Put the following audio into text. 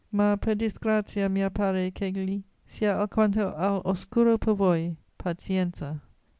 Ma per disgrazia mia pare ch'egli sia alquanto all'oscuro per voi. Pazienza!